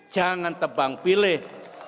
jangan tebang pilih